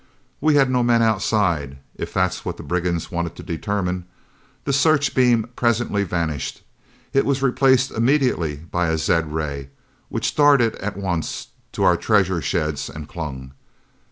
We had no men outside, if that was what the brigands wanted to determine. The searchbeam presently vanished. It was replaced immediately by a zed ray, which darted at once to our treasure sheds and clung.